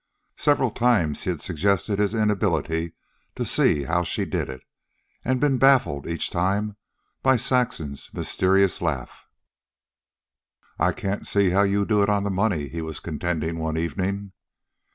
Several times he had suggested his inability to see how she did it, and been baffled each time by Saxon's mysterious laugh. "I can't see how you do it on the money," he was contending one evening.